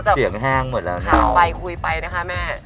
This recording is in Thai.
เดี๋ยวนายก็จะขัดไฟคุยได้ค่ะแม่